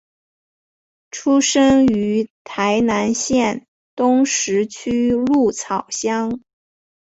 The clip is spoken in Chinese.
出生于台南县东石区鹿草乡。